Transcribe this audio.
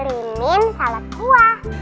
udah kirimin salad buah